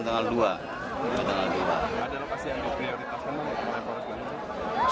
ada lokasi yang di prioritas ini